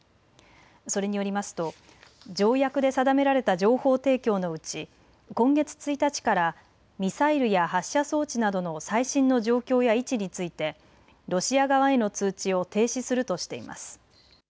それによりますと条約で定められた情報提供のうち今月１日からミサイルや発射装置などの最新の状況や位置についてロシア側への通知を停止するとしています。